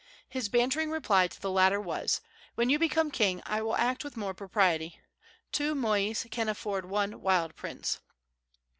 His bantering reply to the latter was: "When you become king I will act with more propriety. Two mois can afford one wild prince."